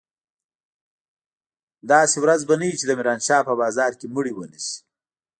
داسې ورځ به نه وي چې د ميرانشاه په بازار کښې مړي ونه سي.